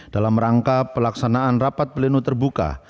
dalam rangka pelaksanaan rapat pleno terbuka